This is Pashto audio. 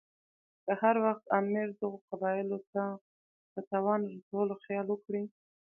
که هر وخت امیر دغو قبایلو ته د تاوان رسولو خیال وکړي.